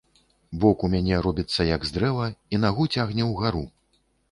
Бок у мяне робіцца як з дрэва і нагу цягне ўгару.